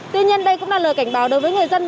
tuy nhiên đây cũng là lời cảnh báo đối với người dân